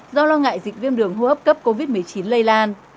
do lo ngại dịch viêm đường hô hấp cấp covid một mươi chín lây lan